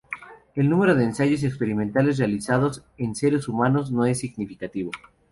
El número de ensayos experimentales realizados en seres humanos no es significativo.